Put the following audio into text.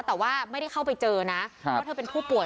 แต่ว่าไม่ได้เข้าไปเจอนะเพราะเธอเป็นผู้ป่วย